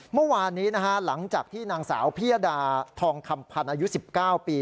เมื่อวานนี้นะฮะหลังจากที่นางสาวพิยดาทองคำพันธ์อายุ๑๙ปี